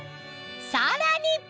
さらに！